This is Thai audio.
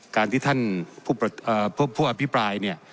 การที่ท่านผู้อภิปรายเนี่ย